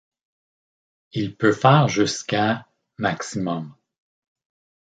Il peut faire jusqu'à maximum.